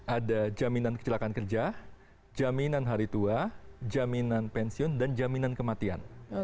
ada jaminan kecelakaan kerja jaminan hari tua jaminan pensiun dan jaminan kematian